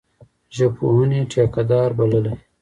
ژبپوهني ټیکه دار بللی.